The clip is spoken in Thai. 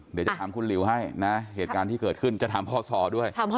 เดี๋ยวจะถามคุณหลิวให้นะเหตุการณ์ที่เกิดขึ้นจะถามพ่อซอด้วย